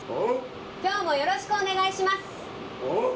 きょうもよろしくお願いします。